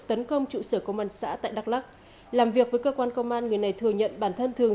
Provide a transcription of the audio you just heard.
tấn công trụ sở công an xã tại đắk lắc làm việc với cơ quan công an người này thừa nhận bản thân thường